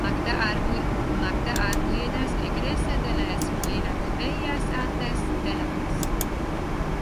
Magda Arguedas egresa de la Escuela de bellas Artes de La Paz.